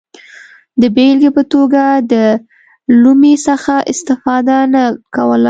د بېلګې په توګه له لومې څخه استفاده نه کوله.